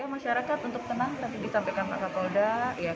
masyarakat untuk tenang nanti disampaikan pak kakolda